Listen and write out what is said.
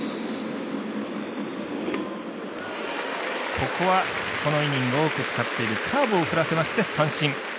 ここは、このイニング多く使っているカーブを振らせまして、三振。